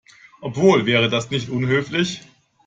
Obwohl, wäre das nicht unhöflich?